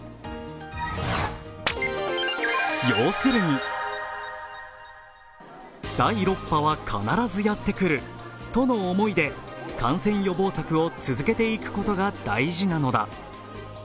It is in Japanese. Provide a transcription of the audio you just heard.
要するに、第６波は必ずやってくるとの思いで感染予防策を続けていくことが大事なのだ。